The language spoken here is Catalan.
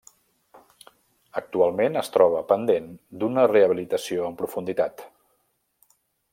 Actualment es troba pendent d'una rehabilitació en profunditat.